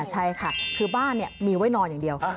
ใช่ค่ะคือบ้านมีไว้นอนอย่างเดียว